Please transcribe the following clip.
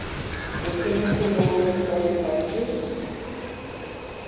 Você mencionou um repórter mais cedo?